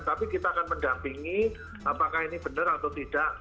tapi kita akan mendampingi apakah ini benar atau tidak